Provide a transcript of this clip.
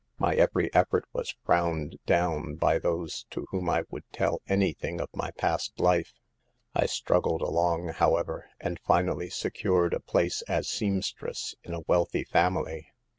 My every effort was frowned do wn by those to whom I would tell any thing of my past life. I struggled along, however, and finally secured a place as seamstress in a wealthy family.